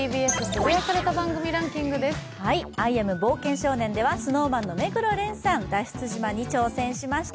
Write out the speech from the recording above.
「アイ・アム・冒険少年」ではＳｎｏｗＭａｎの目黒蓮さん脱出島に挑戦しました。